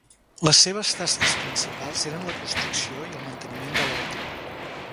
Les seves tasques principals eren la construcció i el manteniment de l'ordre.